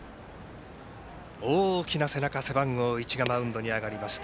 大きな背中、背番号１がマウンドに上がりました。